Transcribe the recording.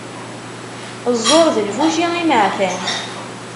Ẓẓur d lfuci imeεfan.